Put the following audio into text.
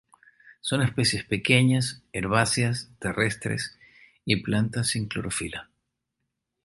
Son especies pequeñas, herbáceas, terrestres y plantas sin clorofila.